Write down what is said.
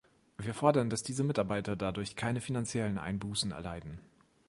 Wir fordern, dass diese Mitarbeiter dadurch keine finanziellen Einbußen erleiden.